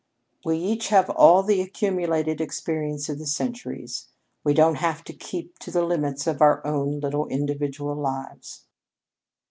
"We each have all the accumulated experience of the centuries. We don't have to keep to the limits of our own little individual lives."